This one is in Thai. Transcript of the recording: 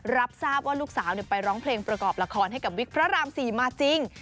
รับทราบว่าลูกสาวไปร้องเพลงประกอบละครให้กับวิกพระราม๔มาจริง